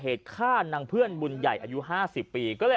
ชาวบ้านญาติโปรดแค้นไปดูภาพบรรยากาศขณะ